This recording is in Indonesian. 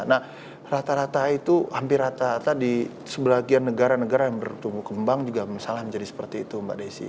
nah rata rata itu hampir rata rata di sebelah kian negara negara yang bertumbuh kembang juga masalah menjadi seperti itu mbak desi